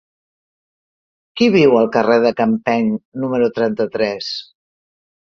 Qui viu al carrer de Campeny número trenta-tres?